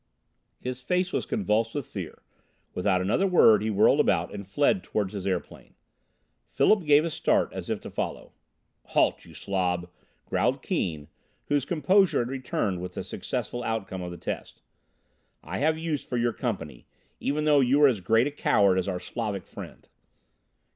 His face was convulsed with fear. Without another word he whirled about and fled toward his airplane. Philip gave a start as if to follow. "Halt! you slob," growled Keane, whose composure had returned with the successful outcome of the test. "I have use for your company, even though you are as great a coward as our Slavic friend."